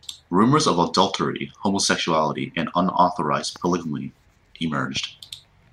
Rumors of adultery, homosexuality, and unauthorized polygamy emerged.